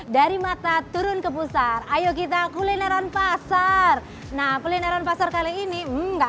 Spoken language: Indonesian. dari mata turun ke pusat ayo kita kulineran pasar nah kulineran pasar kali ini enggak